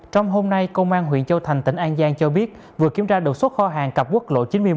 trong hôm nay công an huyện châu thành tỉnh an giang cho biết vừa kiểm tra đột xuất kho hàng cặp quốc lộ chín mươi một